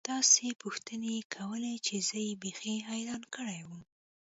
داسې پوښتنې يې کولې چې زه يې بيخي حيران کړى وم.